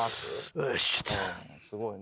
すごい。